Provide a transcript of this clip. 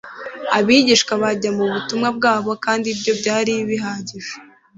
Abigishwa bajyana ubutumwa bwabo, kandi ibyo byari bihagije.